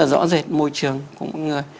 rõ rệt môi trường của mỗi người